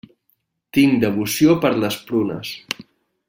Tinc devoció per les prunes.